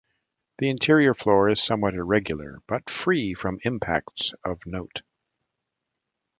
The interior floor is somewhat irregular, but free from impacts of note.